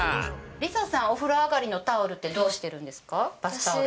梨紗さん、お風呂上がりのタオルってどうしてるんですか。